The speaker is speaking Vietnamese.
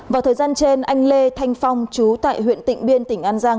vào thời gian trên anh lê thanh phong chú tại huyện tịnh biên tỉnh an giang